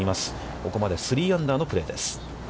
ここまで３アンダーのプレーです。